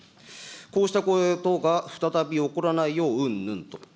こうした行為等が再び起こらないよううんぬんと。